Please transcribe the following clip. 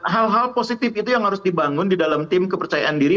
hal hal positif itu yang harus dibangun di dalam tim kepercayaan diri